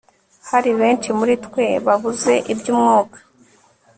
hari benshi muri twe babuze iby'umwuka